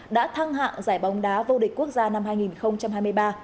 đã thăng hạng giải bóng đá vô địch quốc gia năm hai nghìn hai mươi ba